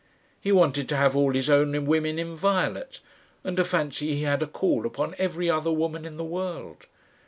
He wanted to have all his own women inviolate, and to fancy he had a call upon every other woman in the world.